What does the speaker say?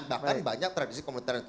bahkan banyak tradisi komuter itu